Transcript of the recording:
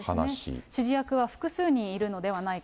指示役は複数人いるのではないか。